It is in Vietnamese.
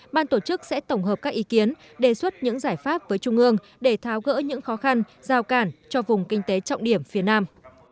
ban tổ chức sẽ tổng hợp các ý kiến đề xuất những giải pháp với trung ương để tháo gỡ những khó khăn giao cản cho vùng kinh tế trọng điểm phía nam